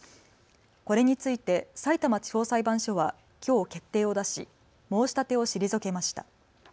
これについてさいたま地方裁判所はきょう決定を出し申し立てを退けました。